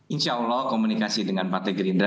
insya allah komunikasi dengan partai gerindra